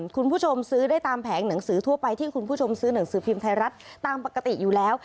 คุณผู้ชมซื้อได้ตามแผงหนังสือทั่วไปที่คุณผู้ชมซื้อหนังสือพิมพ์ไทยรัฐตามปกติอยู่แล้ว